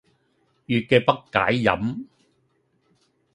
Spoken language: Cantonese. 月既不解飲，